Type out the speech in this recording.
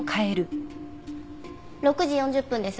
６時４０分です。